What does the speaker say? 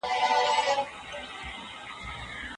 هغوی لوړ معاشونه اخلي.